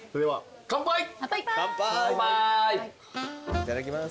いただきます。